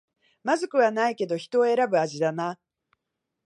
まずくはないけど人を選ぶ味だな